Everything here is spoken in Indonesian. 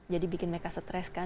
jadi bikin mereka stres kan